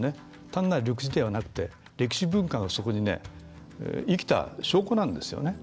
単なる緑地ではなくて歴史文化がそこに生きた証拠なんですよね。